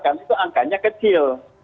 karena itu angkanya kecil